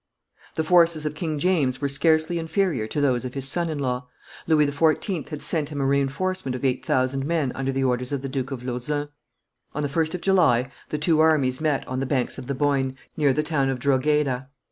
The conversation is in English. The forces of King James were scarcely inferior to those of his son in law; Louis XIV. had sent him a re enforcement of eight thousand men under the orders of the Duke of Lauzun. On the 1st of July the two armies met on the banks of the Boyne, near the town of Drogheda.